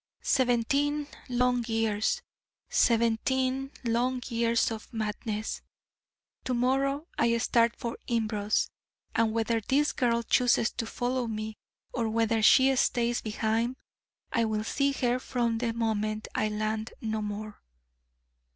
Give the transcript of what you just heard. Seventeen long years, seventeen long years, of madness.... To morrow I start for Imbros: and whether this girl chooses to follow me, or whether she stays behind, I will see her from the moment I land no more.